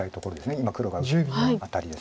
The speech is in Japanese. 今黒が打ったアタリです。